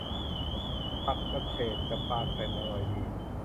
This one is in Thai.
ผัดกระเฉดกับปลาเค็ม อร่อยดี